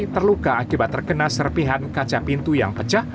terluka akibat terkena serpihan kaca pintu yang pecah